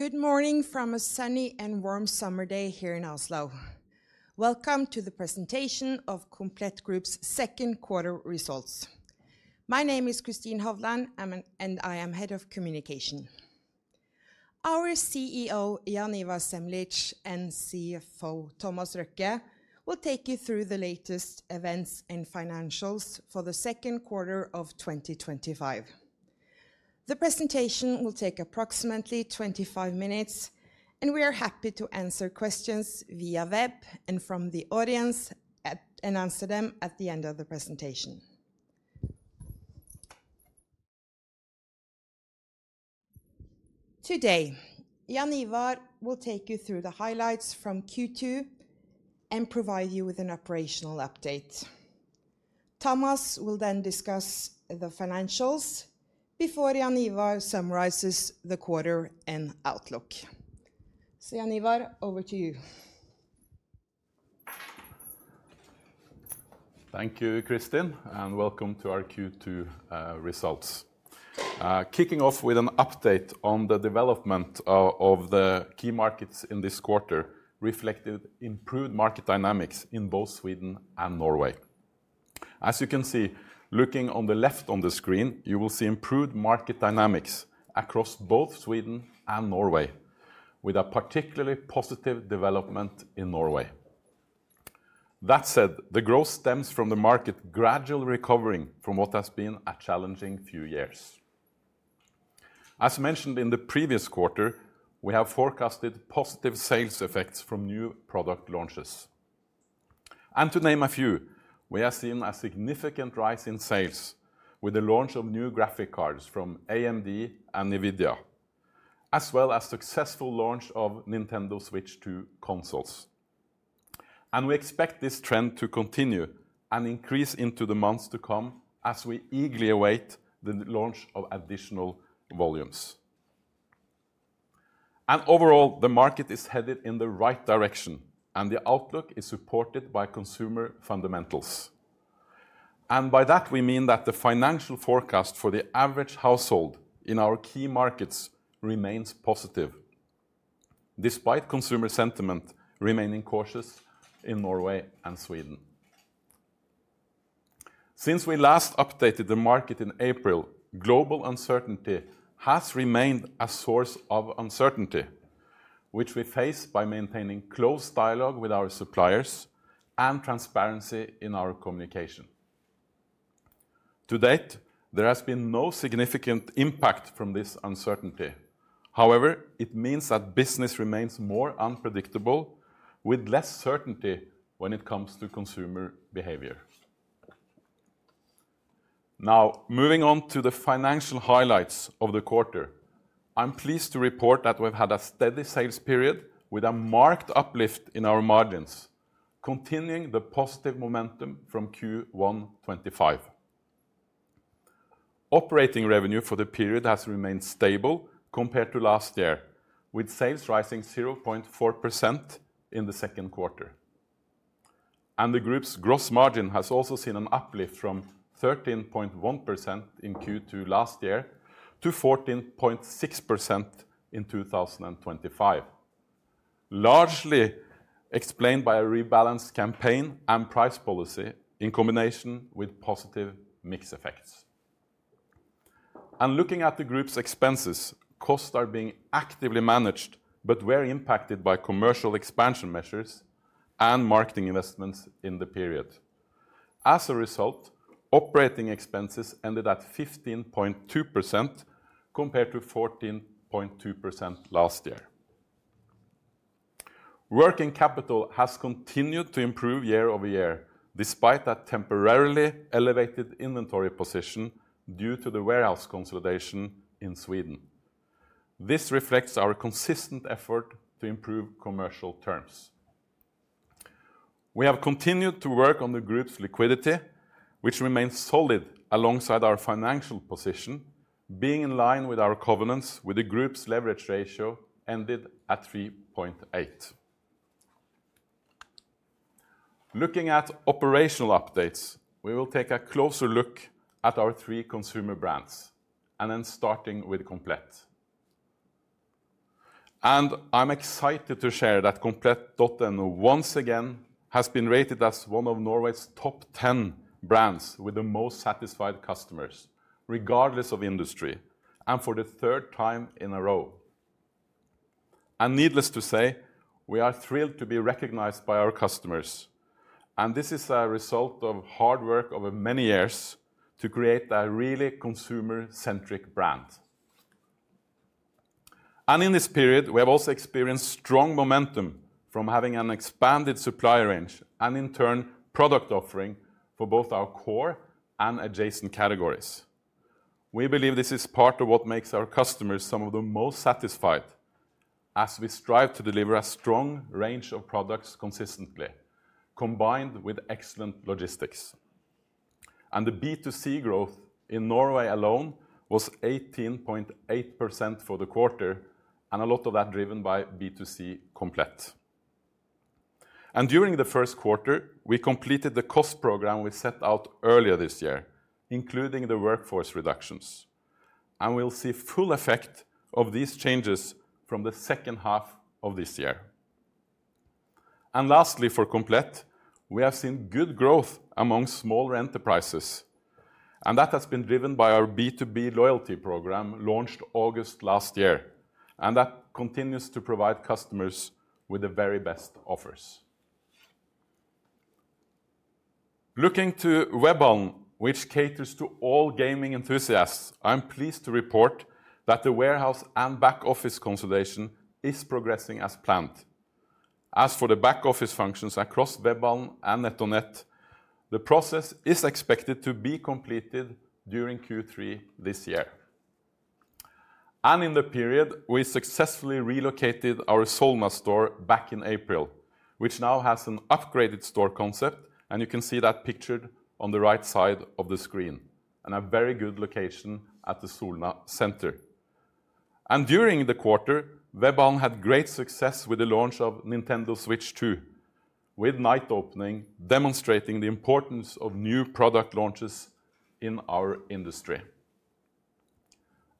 Good morning from a sunny and warm summer day here in Oslo. Welcome to the presentation of Komplett Group's second quarter results. My name is Kristin Hovland, and I am Head of Communication. Our CEO, Jaan Ivar Semlitsch, and CFO, Thomas Røkke, will take you through the latest events and financials for the second quarter of 2025. The presentation will take approximately 25 minutes, and we are happy to answer questions via web and from the audience and answer them at the end of the presentation. Today, Jaan Ivar will take you through the highlights from Q2 and provide you with an operational update. Thomas will then discuss the financials before Jaan Ivar summarizes the quarter and outlook. Jaan Ivar, over to you. Thank you, Kristin, and welcome to our Q2 results. Kicking off with an update on the development of the key markets in this quarter reflected improved market dynamics in both Sweden and Norway. As you can see, looking on the left on the screen, you will see improved market dynamics across both Sweden and Norway, with a particularly positive development in Norway. That said, the growth stems from the market gradually recovering from what has been a challenging few years. As mentioned in the previous quarter, we have forecasted positive sales effects from new product launches. To name a few, we have seen a significant rise in sales with the launch of new graphics cards from AMD and NVIDIA, as well as the successful launch of Nintendo Switch 2 consoles. We expect this trend to continue and increase into the months to come as we eagerly await the launch of additional volumes. Overall, the market is headed in the right direction, and the outlook is supported by consumer fundamentals. By that, we mean that the financial forecast for the average household in our key markets remains positive, despite consumer sentiment remaining cautious in Norway and Sweden. Since we last updated the market in April, global uncertainty has remained a source of uncertainty, which we face by maintaining close dialogue with our suppliers and transparency in our communication. To date, there has been no significant impact from this uncertainty. However, it means that business remains more unpredictable with less certainty when it comes to consumer behavior. Now, moving on to the financial highlights of the quarter, I'm pleased to report that we've had a steady sales period with a marked uplift in our margins, continuing the positive momentum from Q1 2025. Operating revenue for the period has remained stable compared to last year, with sales rising 0.4% in the second quarter. The group's gross margin has also seen an uplift from 13.1% in Q2 last year to 14.6% in 2025, largely explained by a rebalanced campaign and price policy in combination with positive mix effects. Looking at the group's expenses, costs are being actively managed but were impacted by commercial expansion measures and marketing investments in the period. As a result, operating expenses ended at 15.2% compared to 14.2% last year. Working capital has continued to improve year over year, despite a temporarily elevated inventory position due to the warehouse consolidation in Sweden. This reflects our consistent effort to improve commercial terms. We have continued to work on the group's liquidity, which remains solid alongside our financial position, being in line with our covenants with the group's leverage ratio ended at 3.8. Looking at operational updates, we will take a closer look at our three consumer brands, then starting with Komplett. I'm excited to share that Komplett.no once again has been rated as one of Norway's top 10 brands with the most satisfied customers, regardless of industry, for the third time in a row. Needless to say, we are thrilled to be recognized by our customers. This is a result of hard work over many years to create a really consumer-centric brand. In this period, we have also experienced strong momentum from having an expanded supply range and, in turn, product offering for both our core and adjacent categories. We believe this is part of what makes our customers some of the most satisfied, as we strive to deliver a strong range of products consistently, combined with excellent logistics. The B2C growth in Norway alone was 18.8% for the quarter, and a lot of that driven by B2C Komplett. During the first quarter, we completed the cost program we set out earlier this year, including the workforce reductions. We'll see full effect of these changes from the second half of this year. Lastly, for Komplett, we have seen good growth among smaller enterprises. That has been driven by our B2B loyalty program launched August last year, and that continues to provide customers with the very best offers. Looking to Webhallen, which caters to all gaming enthusiasts, I'm pleased to report that the warehouse and back-office consolidation is progressing as planned. As for the back-office functions across Webhallen and NetOnNet, the process is expected to be completed during Q3 this year. In the period, we successfully relocated our Solna store back in April, which now has an upgraded store concept, and you can see that pictured on the right side of the screen, and a very good location at the Solna Centre. During the quarter, Webhallen had great success with the launch of Nintendo Switch 2, with night opening demonstrating the importance of new product launches in our industry.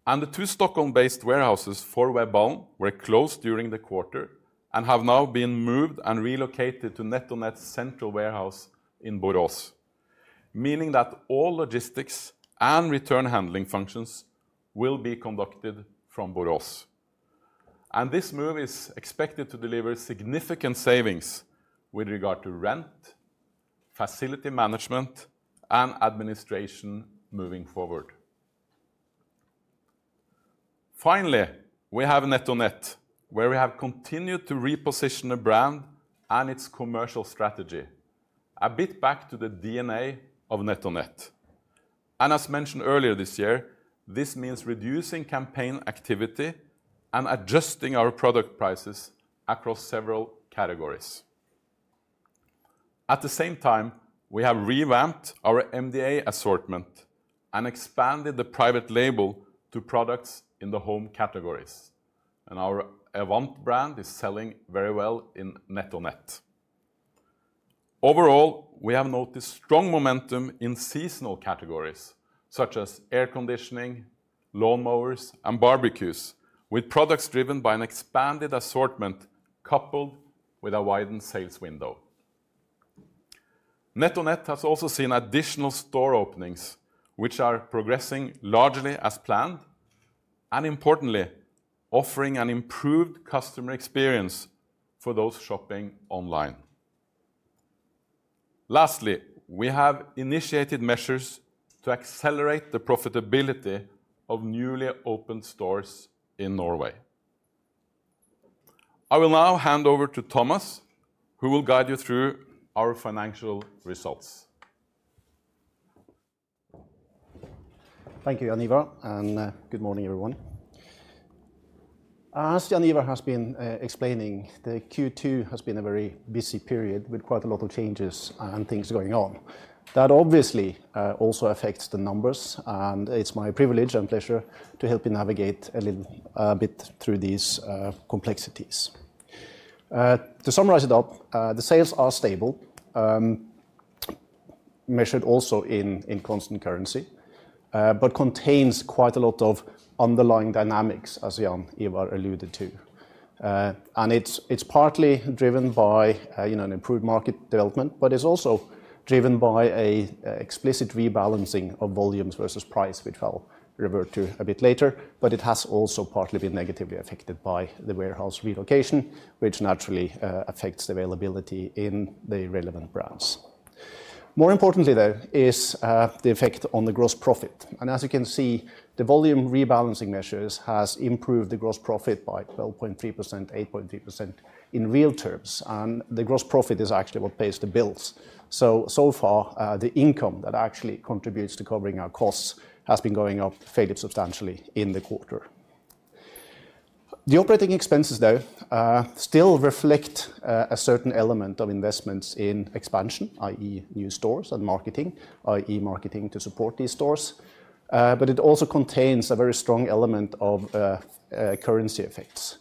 The two Stockholm-based warehouses for Webhallen were closed during the quarter and have now been moved and relocated to NetOnNet's central warehouse in Borås, meaning that all logistics and return handling functions will be conducted from Borås. This move is expected to deliver significant savings with regard to rent, facility management, and administration moving forward. Finally, we have NetOnNet, where we have continued to reposition the brand and its commercial strategy, a bit back to the DNA of NetOnNet. As mentioned earlier this year, this means reducing campaign activity and adjusting our product prices across several categories. At the same time, we have revamped our MDA assortment and expanded the private label assortment to products in the home categories. Our Event brand is selling very well in NetOnNet. Overall, we have noticed strong momentum in seasonal categories, such as air conditioning, lawnmowers, and barbecues, with products driven by an expanded assortment coupled with a widened sales window. NetOnNet has also seen additional store openings, which are progressing largely as planned and, importantly, offering an improved customer experience for those shopping online. Lastly, we have initiated measures to accelerate the profitability of newly opened stores in Norway. I will now hand over to Thomas, who will guide you through our financial results. Thank you, Jaan Ivar, and good morning, everyone. As Jaan Ivar has been explaining, Q2 has been a very busy period with quite a lot of changes and things going on. That obviously also affects the numbers, and it's my privilege and pleasure to help you navigate a little bit through these complexities. To summarize it up, the sales are stable, measured also in constant currency, but contain quite a lot of underlying dynamics, as Jaan Ivar alluded to. It's partly driven by an improved market development, but it's also driven by an explicit rebalancing of volumes versus price, which I'll revert to a bit later. It has also partly been negatively affected by the warehouse relocation, which naturally affects the availability in the relevant brands. More importantly, though, is the effect on the gross profit. As you can see, the volume rebalancing measures have improved the gross profit by 12.3%, 8.3% in real terms, and the gross profit is actually what pays the bills. So far, the income that actually contributes to covering our costs has been going up fairly substantially in the quarter. The operating expenses, though, still reflect a certain element of investments in expansion, i.e., new stores and marketing, i.e., marketing to support these stores. It also contains a very strong element of currency effects.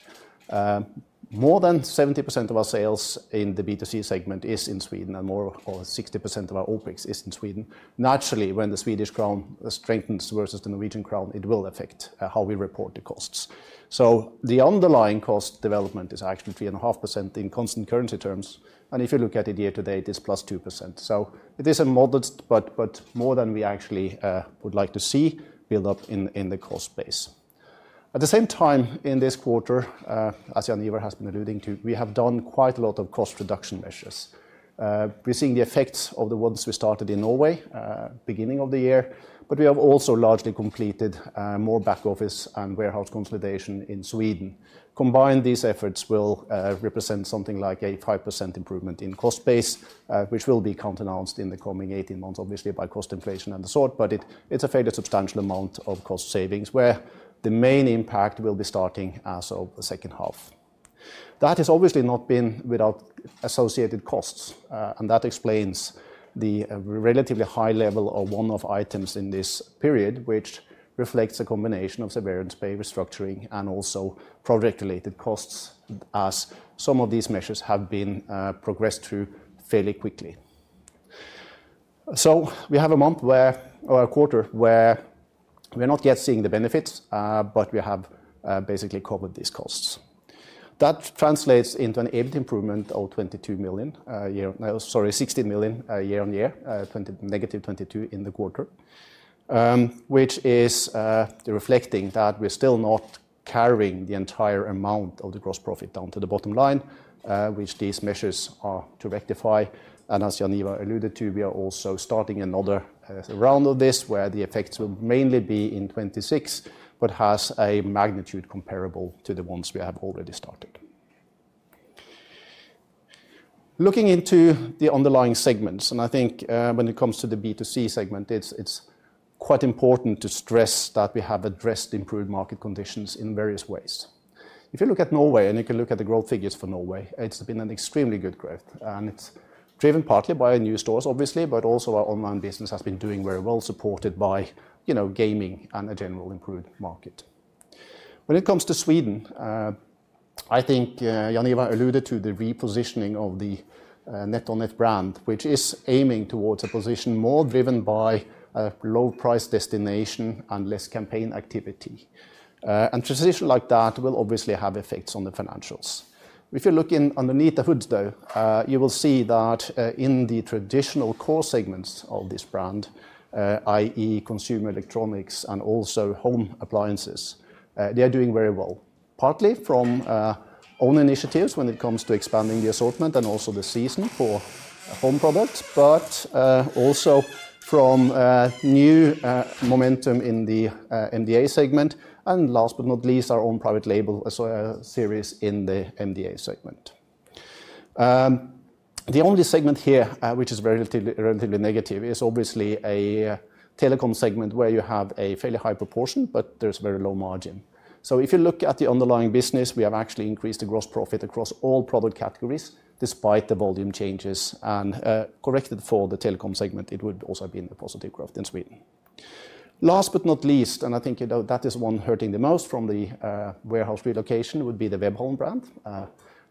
More than 70% of our sales in the B2C segment is in Sweden, and more than 60% of our OpEx is in Sweden. Naturally, when the Swedish crown strengthens versus the Norwegian crown, it will affect how we report the costs. The underlying cost development is actually 3.5% in constant currency terms. If you look at it year to date, it's +2%. It is a modest, but more than we actually would like to see, build up in the cost base. At the same time, in this quarter, as Jaan Ivar has been alluding to, we have done quite a lot of cost reduction measures. We're seeing the effects of the ones we started in Norway at the beginning of the year, but we have also largely completed more back-office and warehouse consolidation in Sweden. Combined, these efforts will represent something like a 5% improvement in cost base, which will be counter-announced in the coming 18 months, obviously by cost inflation and the sort. It's a fairly substantial amount of cost savings, where the main impact will be starting as of the second half. That has obviously not been without associated costs, and that explains the relatively high level of one-off items in this period, which reflects a combination of severance pay, restructuring, and also project-related costs, as some of these measures have been progressed through fairly quickly. We have a quarter where we're not yet seeing the benefits, but we have basically covered these costs. That translates into an EBITDA improvement of $22 million a year, sorry, $16 million year-on-year, -$22 million in the quarter, which is reflecting that we're still not carrying the entire amount of the gross profit down to the bottom line, which these measures are to rectify. As Jaan Ivar alluded to, we are also starting another round of this, where the effects will mainly be in 2026, but has a magnitude comparable to the ones we have already started. Looking into the underlying segments, and I think when it comes to the B2C segment, it's quite important to stress that we have addressed improved market conditions in various ways. If you look at Norway, and you can look at the growth figures for Norway, it's been an extremely good growth. It's driven partly by new stores, obviously, but also our online business has been doing very well, supported by gaming and a general improved market. When it comes to Sweden, I think Jaan Ivar alluded to the repositioning of the NetOnNet brand, which is aiming towards a position more driven by a low-price destination and less campaign activity. A transition like that will obviously have effects on the financials. If you look underneath the hood, though, you will see that in the traditional core segments of this brand, i.e., consumer electronics and also home appliances, they are doing very well, partly from own initiatives when it comes to expanding the assortment and also the season for home products, but also from new momentum in the MDA segment. Last but not least, our own private label series in the MDA segment. The only segment here which is relatively negative is obviously a telecom segment where you have a fairly high proportion, but there's a very low margin. If you look at the underlying business, we have actually increased the gross profit across all product categories, despite the volume changes. Corrected for the telecom segment, it would also have been the positive growth in Sweden. Last but not least, and I think that is the one hurting the most from the warehouse relocation, would be the Webhallen brand.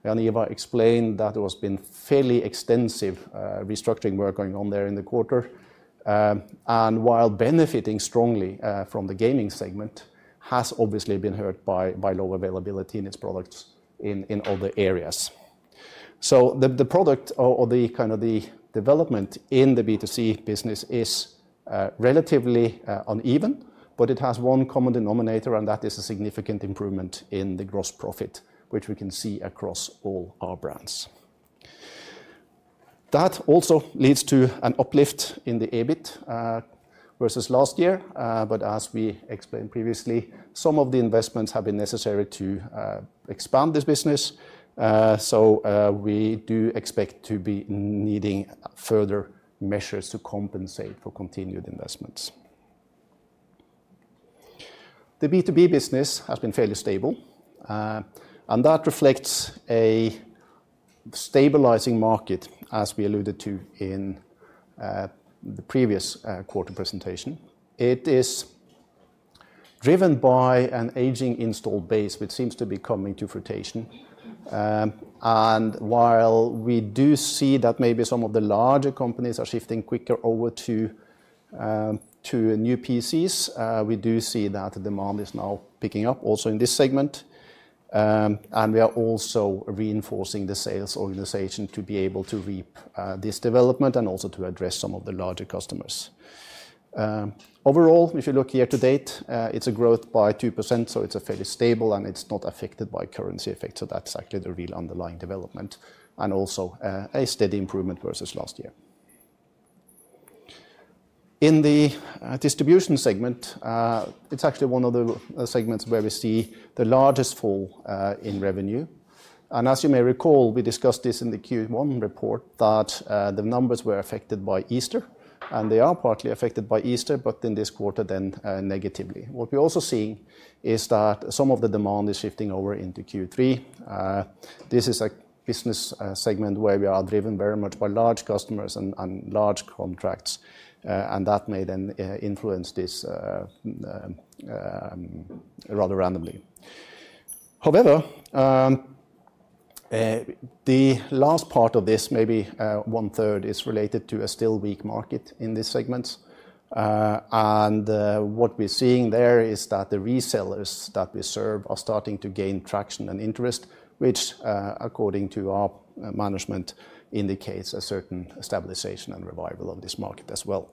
Jaan Ivar explained that there has been fairly extensive restructuring work going on there in the quarter. While benefiting strongly from the gaming segment, it has obviously been hurt by lower availability in its products in other areas. The product or the kind of development in the B2C business is relatively uneven, but it has one common denominator, and that is a significant improvement in the gross margin, which we can see across all our brands. That also leads to an uplift in the EBITDA versus last year. As we explained previously, some of the investments have been necessary to expand this business. We do expect to be needing further measures to compensate for continued investments. The B2B business has been fairly stable, and that reflects a stabilizing market, as we alluded to in the previous quarter presentation. It is driven by an aging installed base, which seems to be coming to fruition. While we do see that maybe some of the larger companies are shifting quicker over to new PCs, we do see that the demand is now picking up also in this segment. We are also reinforcing the sales organization to be able to reap this development and also to address some of the larger customers. Overall, if you look year to date, it's a growth by 2%. It's fairly stable, and it's not affected by currency effects. That's actually the real underlying development and also a steady improvement versus last year. In the distribution segment, it's actually one of the segments where we see the largest fall in revenue. As you may recall, we discussed this in the Q1 report that the numbers were affected by Easter, and they are partly affected by Easter, but in this quarter then negatively. What we're also seeing is that some of the demand is shifting over into Q3. This is a business segment where we are driven very much by large customers and large contracts, and that may then influence this rather randomly. However, the last part of this, maybe one third, is related to a still weak market in this segment. What we're seeing there is that the resellers that we serve are starting to gain traction and interest, which, according to our management, indicates a certain stabilizing and revival of this market as well.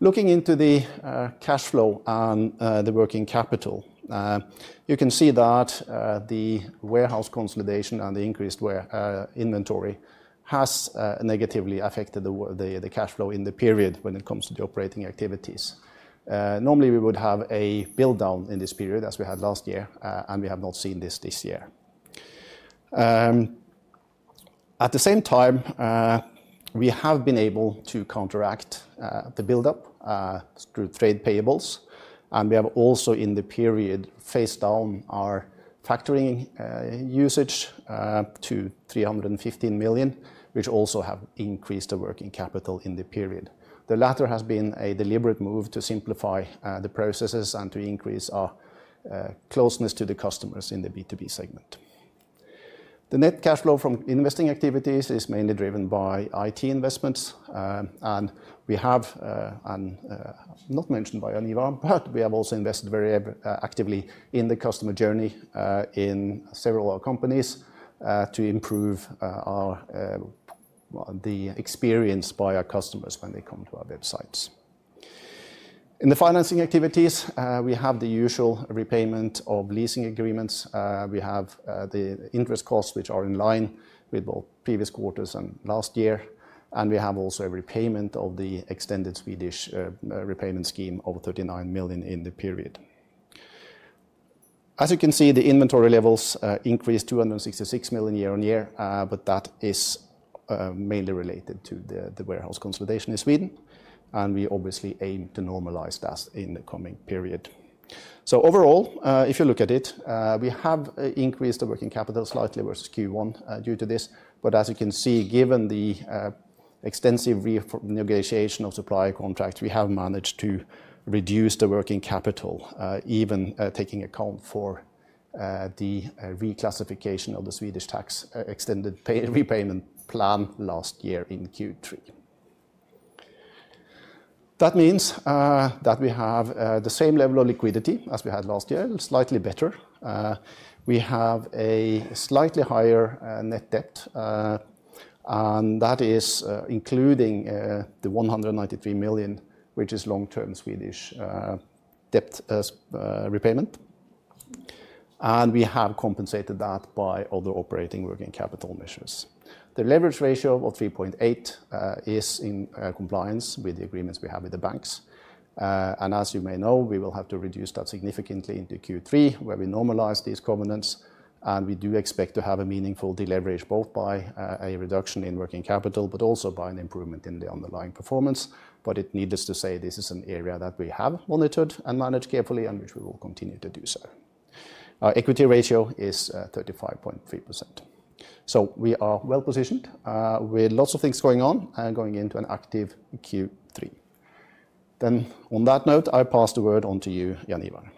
Looking into the cash flow and the working capital, you can see that the warehouse consolidation and the increased inventory have negatively affected the cash flow in the period when it comes to the operating activities. Normally, we would have a build down in this period, as we had last year, and we have not seen this this year. At the same time, we have been able to counteract the build up through trade payables. We have also, in the period, phased down our factory usage to 315 million, which also has increased the working capital in the period. The latter has been a deliberate move to simplify the processes and to increase our closeness to the customers in the B2B segment. The net cash flow from investing activities is mainly driven by IT investments. Not mentioned by Jaan Ivar, but we have also invested very actively in the customer journey in several of our companies to improve the experience by our customers when they come to our websites. In the financing activities, we have the usual repayment of leasing agreements. We have the interest costs, which are in line with both previous quarters and last year. We also have a repayment of the extended Swedish repayment scheme of 39 million in the period. As you can see, the inventory levels increased 266 million year-on-year, but that is mainly related to the warehouse consolidation in Sweden. We obviously aim to normalize that in the coming period. Overall, if you look at it, we have increased the working capital slightly versus Q1 due to this. Given the extensive renegotiation of supplier contracts, we have managed to reduce the working capital, even taking account for the reclassification of the Swedish tax extended repayment plan last year in Q3. That means that we have the same level of liquidity as we had last year, slightly better. We have a slightly higher net debt, and that is including the 193 million, which is long-term Swedish debt repayment. We have compensated that by other operating working capital measures. The leverage ratio of 3.8 is in compliance with the agreements we have with the banks. As you may know, we will have to reduce that significantly into Q3, where we normalize these covenants. We do expect to have a meaningful deleverage both by a reduction in working capital, but also by an improvement in the underlying performance. It is needless to say, this is an area that we have monitored and managed carefully, and we will continue to do so. Our equity ratio is 35.3%. We are well positioned. We have lots of things going on and going into an active Q3. On that note, I pass the word on to you, Jaan Ivar.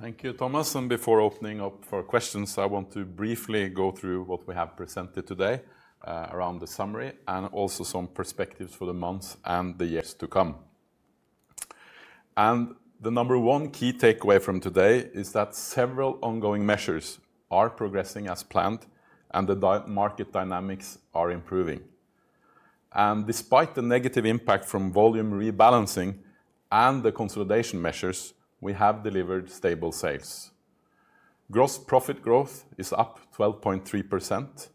Thank you, Thomas. Before opening up for questions, I want to briefly go through what we have presented today around the summary and also some perspectives for the months and the years to come. The number one key takeaway from today is that several ongoing measures are progressing as planned, and the market dynamics are improving. Despite the negative impact from volume rebalancing and the consolidation measures, we have delivered stable sales. Gross profit growth is up 12.3%,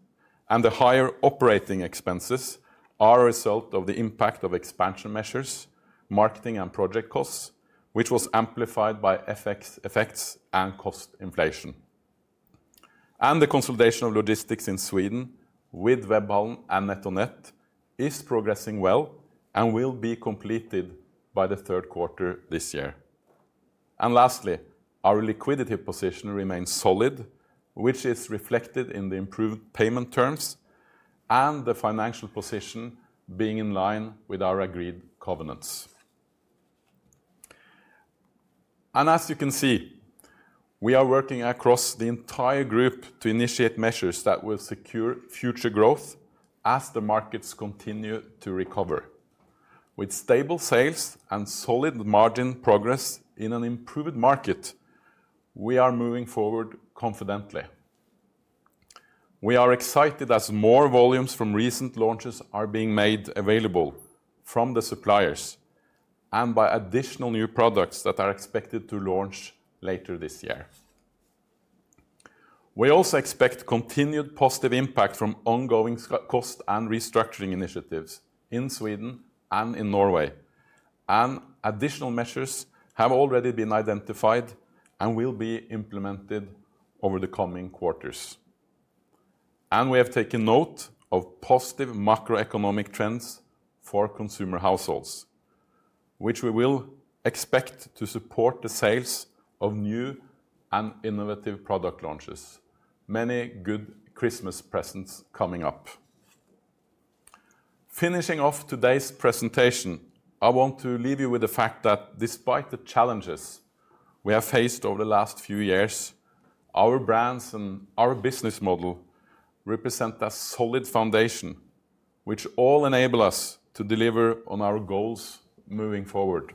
and the higher operating expenses are a result of the impact of expansion measures, marketing, and project costs, which was amplified by FX effects and cost inflation. The consolidation of logistics in Sweden with Webhallen and NetOnNet is progressing well and will be completed by the third quarter this year. Lastly, our liquidity position remains solid, which is reflected in the improved payment terms and the financial position being in line with our agreed covenants. As you can see, we are working across the entire group to initiate measures that will secure future growth as the markets continue to recover. With stable sales and solid margin progress in an improved market, we are moving forward confidently. We are excited as more volumes from recent launches are being made available from the suppliers and by additional new products that are expected to launch later this year. We also expect continued positive impact from ongoing cost and restructuring initiatives in Sweden and in Norway. Additional measures have already been identified and will be implemented over the coming quarters. We have taken note of positive macroeconomic trends for consumer households, which we will expect to support the sales of new and innovative product launches. Many good Christmas presents coming up. Finishing off today's presentation, I want to leave you with the fact that despite the challenges we have faced over the last few years, our brands and our business model represent a solid foundation, which all enable us to deliver on our goals moving forward.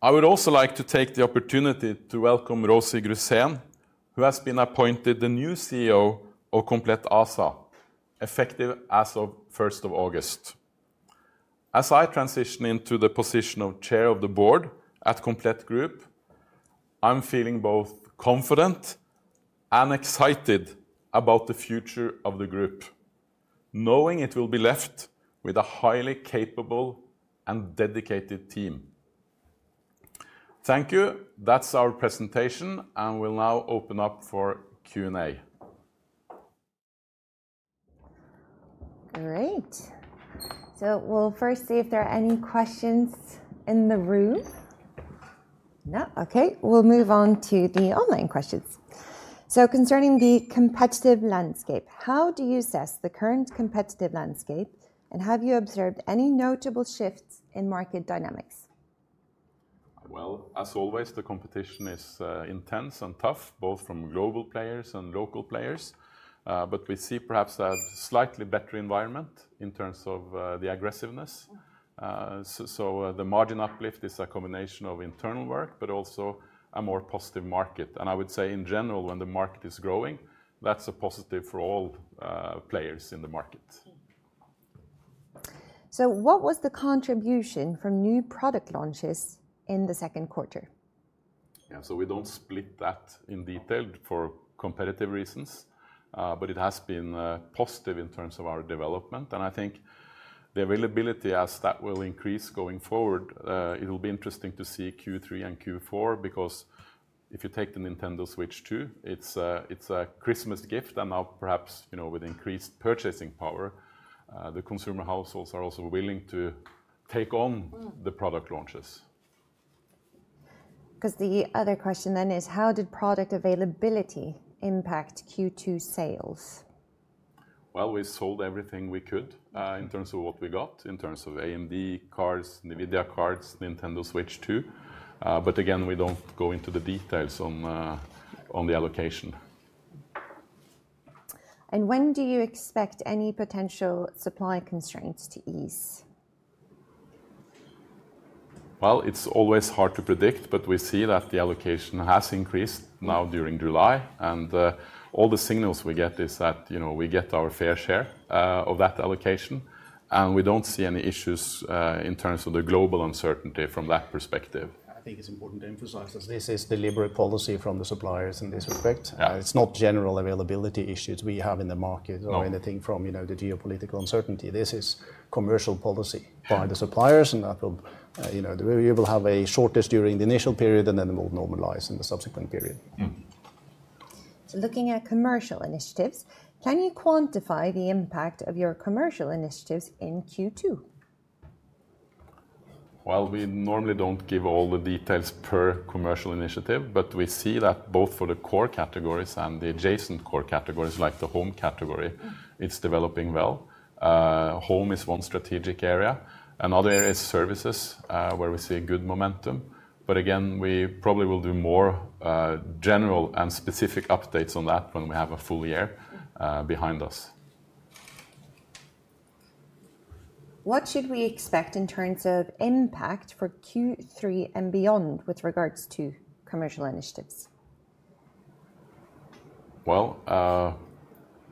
I would also like to take the opportunity to welcome Ros‑Marie Grusén., who has been appointed the new CEO of Komplett ASA, effective as of 1st of August. As I transition into the position of Chair of the Board at Komplett Group, I'm feeling both confident and excited about the future of the group, knowing it will be left with a highly capable and dedicated team. Thank you. That's our presentation, and we'll now open up for Q&A. Great. We'll first see if there are any questions in the room. No, OK. We'll move on to the online questions. Concerning the competitive landscape, how do you assess the current competitive landscape, and have you observed any notable shifts in market dynamics? As always, the competition is intense and tough, both from global players and local players. We see perhaps a slightly better environment in terms of the aggressiveness. The margin uplift is a combination of internal work, but also a more positive market. I would say, in general, when the market is growing, that's a positive for all players in the market. What was the contribution from new product launches in the second quarter? Yeah, we don't split that in detail for competitive reasons. It has been positive in terms of our development. I think the availability, as that will increase going forward, it will be interesting to see Q3 and Q4, because if you take the Nintendo Switch 2, it's a Christmas gift. Now, perhaps, with increased purchasing power, the consumer households are also willing to take on the product launches. Because the other question then is, how did product availability impact Q2 sales? We sold everything we could in terms of what we got, in terms of AMD cards, NVIDIA cards, Nintendo Switch 2. Again, we don't go into the details on the allocation. When do you expect any potential supply constraints to ease? It is always hard to predict, but we see that the allocation has increased now during July. All the signals we get is that we get our fair share of that allocation, and we do not see any issues in terms of the global uncertainty from that perspective. I think it's important to emphasize that this is deliberate policy from the suppliers in this respect. It's not general availability issues we have in the market or anything from the geopolitical uncertainty. This is commercial policy by the suppliers. You will have a shortage during the initial period, and then it will normalize in the subsequent period. Looking at commercial initiatives, can you quantify the impact of your commercial initiatives in Q2? We normally don't give all the details per commercial initiative, but we see that both for the core categories and the adjacent core categories, like the home category, it's developing well. Home is one strategic area. Another area is services, where we see a good momentum. We probably will do more general and specific updates on that when we have a full year behind us. What should we expect in terms of impact for Q3 and beyond with regards to commercial initiatives?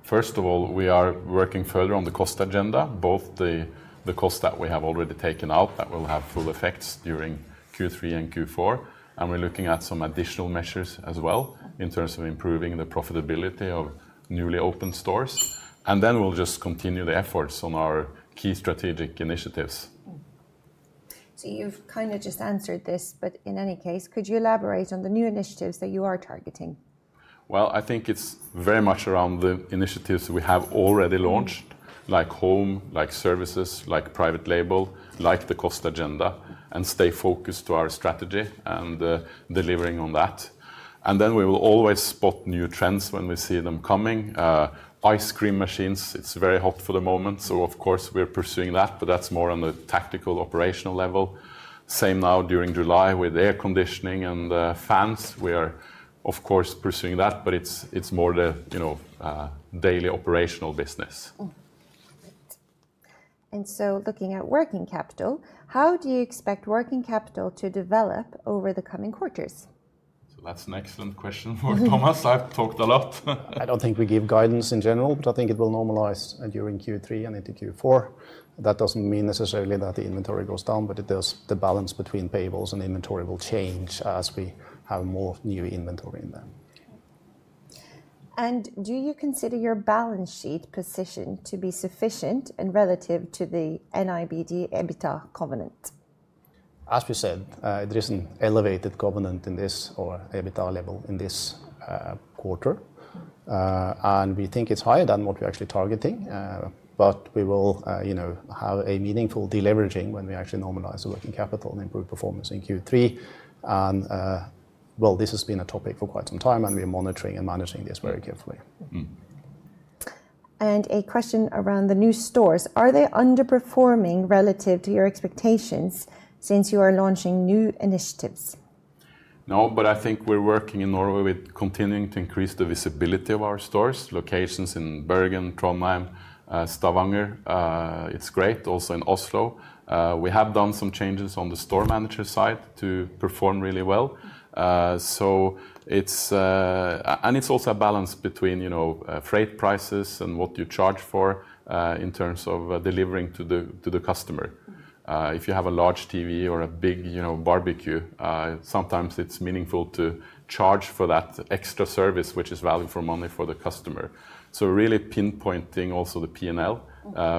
First of all, we are working further on the cost agenda, both the costs that we have already taken out that will have full effects during Q3 and Q4. We're looking at some additional measures as well in terms of improving the profitability of newly opened stores, and we'll just continue the efforts on our key strategic initiatives. You've kind of just answered this, but in any case, could you elaborate on the new initiatives that you are targeting? I think it's very much around the initiatives we have already launched, like home, like services, like private label, like the cost agenda, and stay focused to our strategy and delivering on that. We will always spot new trends when we see them coming. Ice cream machines, it's very hot for the moment. Of course, we're pursuing that, but that's more on the tactical operational level. Same now during July with air conditioning and fans. We are, of course, pursuing that, but it's more the daily operational business. Looking at working capital, how do you expect working capital to develop over the coming quarters? That's an excellent question for Thomas. I've talked a lot. I don't think we give guidance in general, but I think it will normalize during Q3 and into Q4. That doesn't mean necessarily that the inventory goes down, but it does mean the balance between payables and inventory will change as we have more new inventory in there. Do you consider your balance sheet position to be sufficient and relative to the NIBD/EBITDA covenant? As we said, there is an elevated covenant in this or EBITDA level in this quarter. We think it's higher than what we're actually targeting. We will have a meaningful deleveraging when we actually normalize the working capital and improve performance in Q3. This has been a topic for quite some time, and we're monitoring and managing this very carefully. A question around the new stores. Are they underperforming relative to your expectations since you are launching new initiatives? No, but I think we're working in Norway with continuing to increase the visibility of our stores, locations in Bergen, Trondheim, Stavanger. It's great also in Oslo. We have done some changes on the Store Manager side to perform really well. It's also a balance between freight prices and what you charge for in terms of delivering to the customer. If you have a large TV or a big barbecue, sometimes it's meaningful to charge for that extra service, which is value for money for the customer. Really pinpointing also the P&L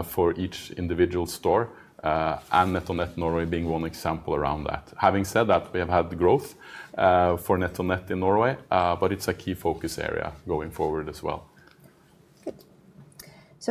for each individual store, and NetOnNet Norway being one example around that. Having said that, we have had growth for NetOnNet in Norway, but it's a key focus area going forward as well.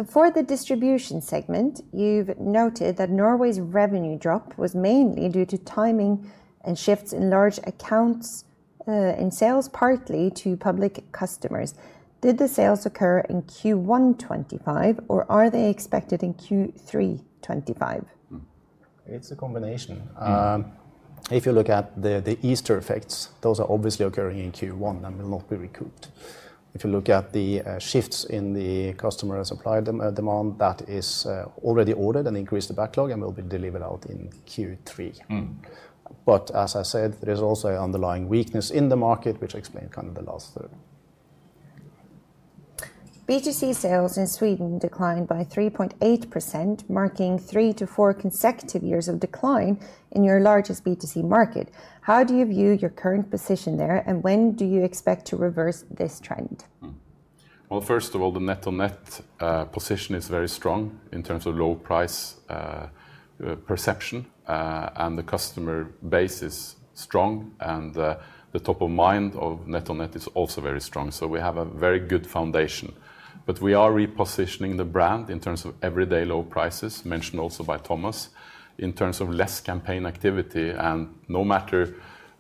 For the distribution segment, you've noted that Norway's revenue drop was mainly due to timing and shifts in large accounts in sales, partly to public customers. Did the sales occur in Q1 2025, or are they expected in Q3 2025? It's a combination. If you look at the Easter effects, those are obviously occurring in Q1 and will not be recouped. If you look at the shifts in the customer supply demand, that is already ordered and increased the backlog and will be delivered out in Q3. As I said, there's also an underlying weakness in the market, which I explained kind of the last. B2C sales in Sweden declined by 3.8%, marking three to four consecutive years of decline in your largest B2C market. How do you view your current position there, and when do you expect to reverse this trend? The NetOnNet position is very strong in terms of low price perception, and the customer base is strong. The top of mind of NetOnNet is also very strong. We have a very good foundation. We are repositioning the brand in terms of everyday low prices, mentioned also by Thomas, in terms of less campaign activity. No matter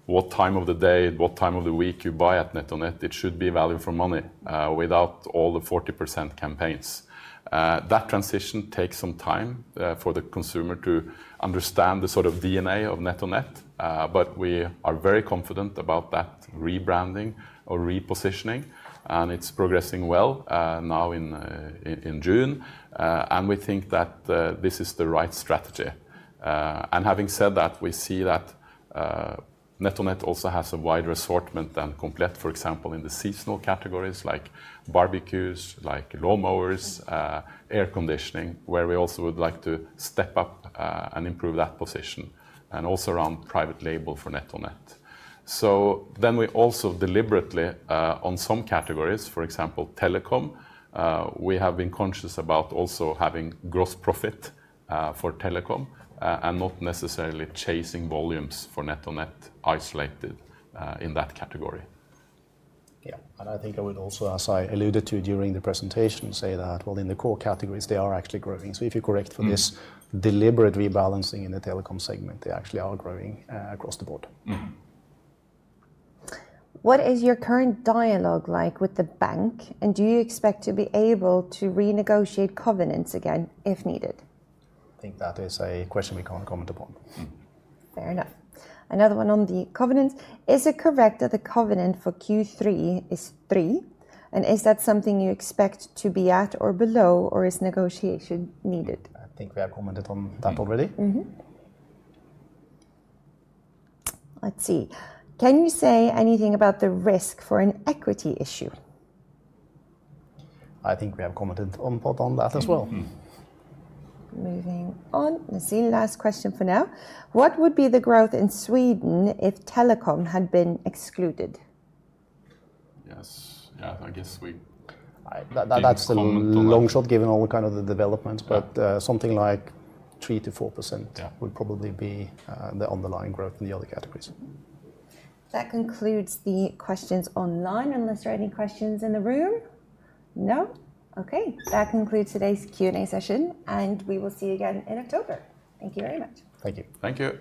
what time of the day, what time of the week you buy at NetOnNet, it should be value for money without all the 40% campaigns. That transition takes some time for the consumer to understand the sort of DNA of NetOnNet. We are very confident about that rebranding or repositioning, and it's progressing well now in June. We think that this is the right strategy. We see that NetOnNet also has a wider assortment than Komplett. For example, in the seasonal categories like barbecues, like lawnmowers, air conditioning, where we also would like to step up and improve that position, and also around private label for NetOnNet. We also deliberately on some categories, for example, telecom, have been conscious about also having gross profit for telecom and not necessarily chasing volumes for NetOnNet isolated in that category. I think I would also, as I alluded to during the presentation, say that in the core categories, they are actually growing. If you correct for this deliberate rebalancing in the telecom segment, they actually are growing across the board. What is your current dialogue like with the bank, and do you expect to be able to renegotiate covenants again if needed? I think that is a question we can't comment upon. Fair enough. Another one on the covenants. Is it correct that the covenant for Q3 is 3, and is that something you expect to be at or below, or is negotiation needed? I think we have commented on that already. Let's see. Can you say anything about the risk for an equity issue? I think we have commented on that as well. Moving on. This is the last question for now. What would be the growth in Sweden if telecom had been excluded? Yes, yeah, I guess that's a long shot given all the kind of the developments, but something like 3%-4% would probably be the underlying growth in the other categories. That concludes the questions online, unless there are any questions in the room. No? OK. That concludes today's Q&A session, and we will see you again in October. Thank you very much. Thank you. Thank you.